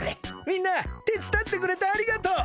みんなてつだってくれてありがとう。